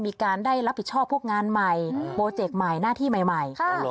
มีการได้รับผิดชอบพวกงานใหม่โปรเจกต์ใหม่หน้าที่ใหม่